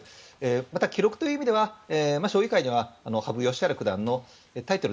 また、記録という意味では将棋界には羽生善治九段のタイトル